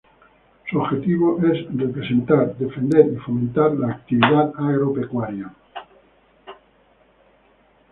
Su objetivo es representar, defender y fomentar la actividad agropecuaria.